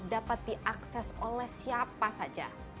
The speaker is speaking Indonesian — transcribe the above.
dapat diakses oleh siapa saja